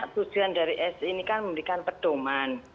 susunan dari s ini kan memberikan pedoman